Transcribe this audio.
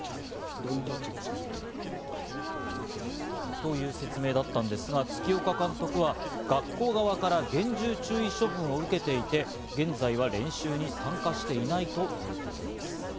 という説明だったんですが、月岡監督は学校側から厳重注意処分を受けていて、現在は練習に参加していないということです。